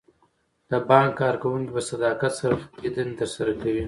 د بانک کارکوونکي په صداقت سره خپلې دندې ترسره کوي.